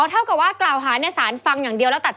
เท่ากับว่ากล่าวหาเนี่ยสารฟังอย่างเดียวแล้วตัด